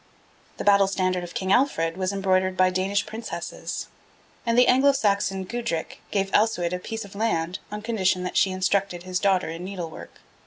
The battle standard of King Alfred was embroidered by Danish princesses; and the Anglo Saxon Gudric gave Alcuid a piece of land, on condition that she instructed his daughter in needle work.